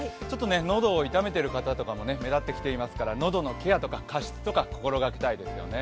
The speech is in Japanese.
のどを痛めている方とかも目立ってきていますからのどのケアとか加湿とか心掛けたいですよね。